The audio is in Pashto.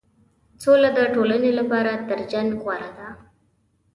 سوله د ټولنې لپاره تر جنګ غوره ده.